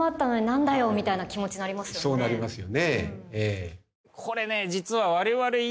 そうなりますよねええ。